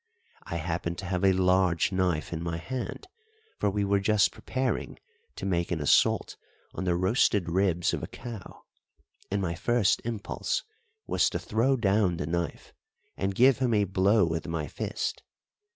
I happened to have a large knife in my hand, for we were just preparing to make an assault on the roasted ribs of a cow, and my first impulse was to throw down the knife and give him a blow with my fist.